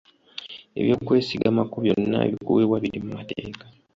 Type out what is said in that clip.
Eby'okwesigamako byonna ebikuweebwa biri mu mateeka.